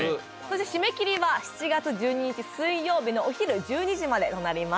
締め切りは７月１２日水曜日のお昼１２時までとなります